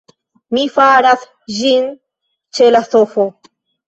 Mi faras ĝin ĉe la sofo